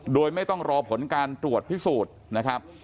โดยไม่ต้องรอผลการตรวจพิสูจน์นะครับ